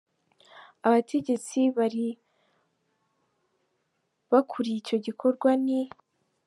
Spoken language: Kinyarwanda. Abategetsi bari bakuriye icyo gikorwa ni :